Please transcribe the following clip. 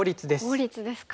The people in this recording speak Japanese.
効率ですか。